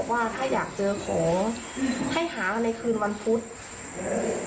ว่าถ้าอยากเจอของให้หากันในคืนวันพุธ